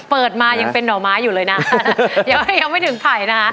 เปิดมายังเป็นหน่อไม้อยู่เลยนะยังไม่ถึงไผ่นะคะ